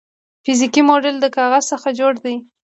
فزیکي موډل د کاغذ څخه جوړیږي.